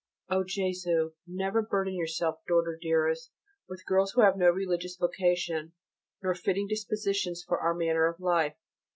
O Jesu! never burden yourself, daughter dearest, with girls who have no religious vocation, nor fitting dispositions for our manner of life.